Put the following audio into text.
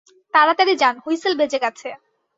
তাড়াতাড়ি যান, হুইসেল বেজে গেছে।